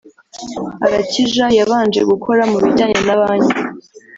Alakija yabanje gukora mu bijyanye na banki